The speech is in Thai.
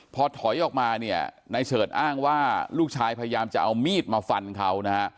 พอถอยออกมาเนี่ยนายเฉิดอ้างว่าลูกชายพยายามจะเอามีดมาฟันเขานะฮะ